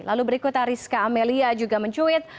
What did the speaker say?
lalu berikut ariska amelia juga mencuit